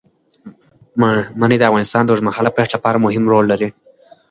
منی د افغانستان د اوږدمهاله پایښت لپاره مهم رول لري.